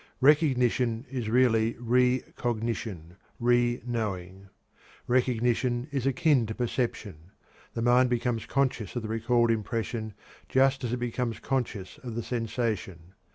Recognition is really re cognition re knowing. Recognition is akin to perception. The mind becomes conscious of the recalled impression just as it becomes conscious of the sensation.